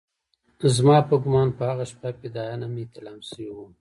زما په ګومان په هغه شپه فدايان هم احتلام سوي وو.